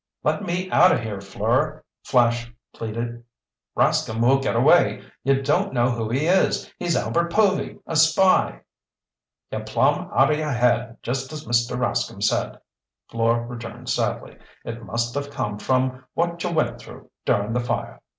"Let me out of here, Fleur!" Flash pleaded. "Rascomb will get away! You don't know who he is! He's Albert Povy, a spy—" "You're plumb out o' your head just as Mr. Rascomb said," Fleur returned sadly. "It must of come from what you went through during the fire.